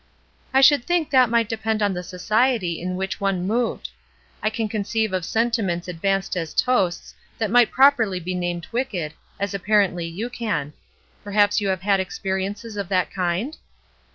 ''I should think that might depend on the society in which one moved, I can conceive of sentiments advanced as toasts that might properly be named wicked, as apparently you can. Perhaps you have had experiences of that kind?"